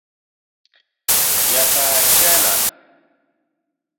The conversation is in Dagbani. Ya ka a chana?